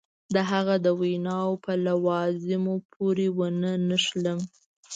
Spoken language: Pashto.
د هغه د ویناوو په لوازمو پورې ونه نښلم.